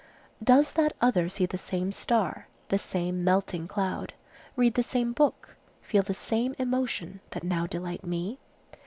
Does that other see the same star, the same melting cloud, read the same book, feel the same emotion, that now delight me?